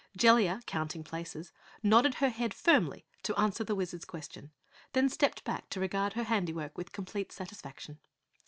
Jellia, counting places, nodded her head firmly to answer the Wizard's question, then stepped back to regard her handiwork with complete satisfaction.